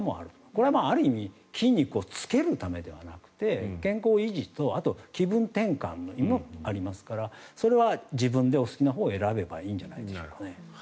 これはある意味筋肉をつけるためではなくて健康維持と、あと気分転換の意味もありますからそれは自分でお好きなほうを選べばいいんじゃないでしょうか。